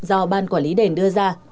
do ban quản lý đền đưa ra